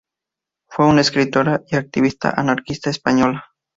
Fue una escritora y activista anarquista española.